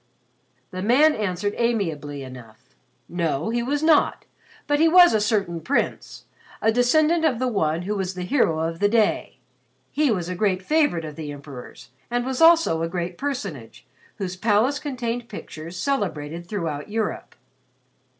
The man answered amiably enough. No, he was not, but he was a certain Prince, a descendant of the one who was the hero of the day. He was a great favorite of the Emperor's and was also a great personage, whose palace contained pictures celebrated throughout Europe.